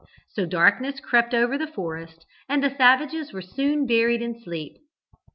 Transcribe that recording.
So darkness crept over the forest, and the savages were soon buried in sleep.